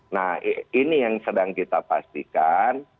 nah ini yang sedang kita pastikan